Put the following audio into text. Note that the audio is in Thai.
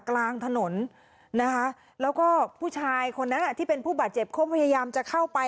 กลางถนนนะคะแล้วก็ผู้ชายคนนั้นที่เป็นผู้บาดเจ็บเขาพยายามจะเข้าไป